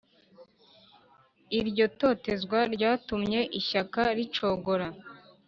Iryo totezwa ryatumye ishyaka ricogora.